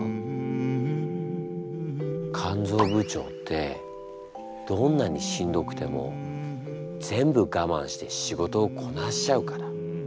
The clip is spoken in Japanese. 肝ぞう部長ってどんなにしんどくても全部我慢して仕事をこなしちゃうから。